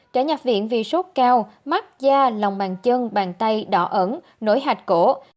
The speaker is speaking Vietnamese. trẻ nhập viện vì sốt cao mắt da lòng màng chân bàn tay đỏ ẩn nổi hạch cổ